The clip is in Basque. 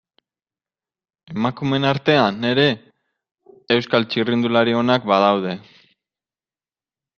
Emakumeen artean ere, Euskal txirrindulari onak badaude.